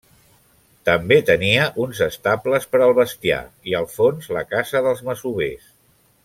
També tenia uns estables per al bestiar i, al fons la casa dels masovers.